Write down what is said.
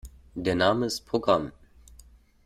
Der Name ist Programm.